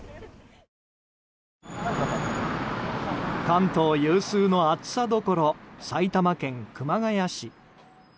関東有数の暑さどころ埼玉県熊谷市。